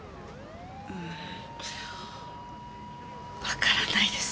わからないです。